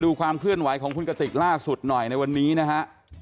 ความเคลื่อนไหวของคุณกติกล่าสุดหน่อยในวันนี้นะฮะ